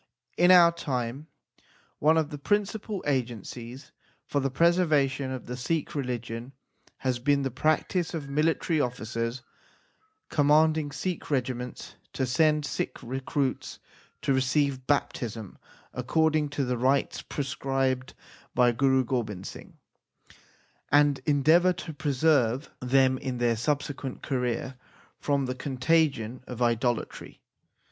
In our time one of the principal agencies for the preservation of the Sikh religion has been the practice of military officers commanding Sikh regi ments to send Sikh recruits to receive baptism according to the rites prescribed by Guru Gobind Singh, and endeavour to preserve them in their subsequent career from the contagion of idolatry.